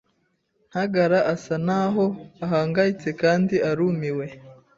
Ntagara asa naho ahangayitse kandi arumiwe.